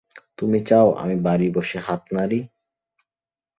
তুমি চাও আমি বসে হাত নাড়ি?